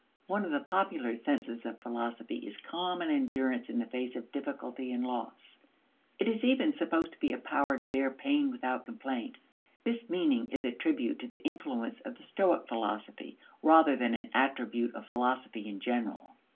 One of the popular senses of philosophy is calm and endurance in the face of difficulty and loss; it is even supposed to be a power to bear pain without complaint. This meaning is a tribute to the influence of the Stoic philosophy rather than an attribute of philosophy in general.